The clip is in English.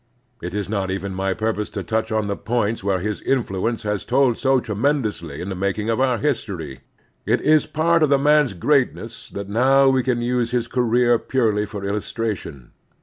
It is not even my purpose to touch on the points where his influence has told so tre mendously in the making of our history. It is part of the man's greatness that now we can use his career purely for illustration.